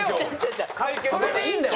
それでいいんだよ。